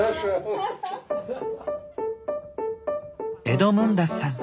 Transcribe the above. エドムンダスさん。